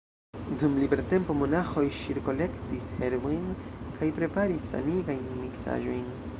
Dum libertempo monaĥoj ŝirkolektis herbojn kaj preparis sanigajn miksaĵojn.